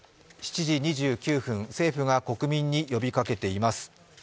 ７時２９分、政府が国民に呼びかけています。